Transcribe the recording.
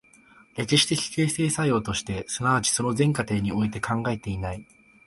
歴史的形成作用として、即ちその全過程において考えていない。